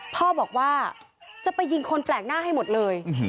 พ่อบอกว่าจะไปยิงคนแปลกหน้าให้หมดเลย